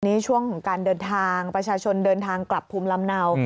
ช่วงของการเดินทางประชาชนเดินทางกลับภูมิลำเนา